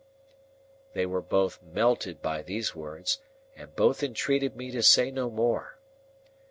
They were both melted by these words, and both entreated me to say no more.